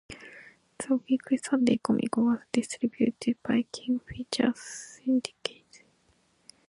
The weekly Sunday comic was distributed by King Features Syndicate.